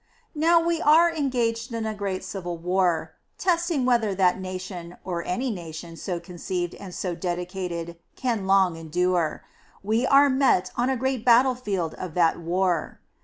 Now we are engaged in a great civil war. . .testing whether that nation, or any nation so conceived and so dedicated. .. can long endure. We are met on a great battlefield of that war.